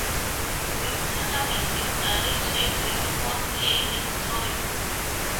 This tournament is arranged every fourth year in Tokyo.